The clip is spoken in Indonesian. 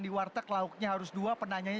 di warteg lauknya harus dua penanyanya